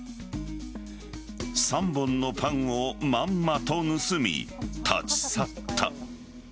３本のパンをまんまと盗み立ち去った。